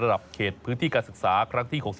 เขตพื้นที่การศึกษาครั้งที่๖๓